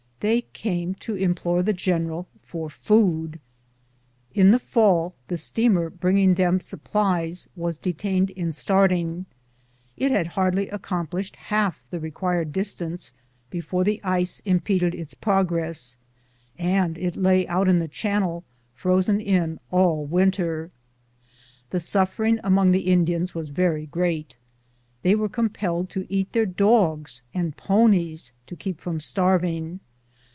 They came to implore the general for food. In the fall the steamer bringing them supplies was detained in starting. It had hardly accomplished half the required distance before the ice impeded its progress, and it lay out in the chan nel, frozen in, all winter. The suffering among the In dians was very great. They were compelled to eat their dogs and ponies to keep from starving.